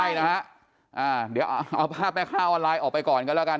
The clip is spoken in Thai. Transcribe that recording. ใช่นะฮะเดี๋ยวเอาภาพแม่ค้าออนไลน์ออกไปก่อนกันแล้วกัน